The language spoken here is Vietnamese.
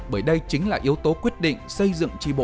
bởi đây chính là yếu tố quyết định xây dựng tri bộ